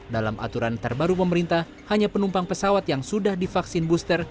dalam aturan terbaru pemerintah hanya penumpang pesawat yang sudah divaksin booster